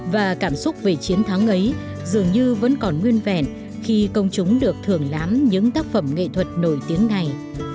và cảm xúc về chiến thắng ấy dường như vẫn còn nguyên vẹn khi công chúng được thưởng lãm những tác phẩm nghệ thuật nổi tiếng này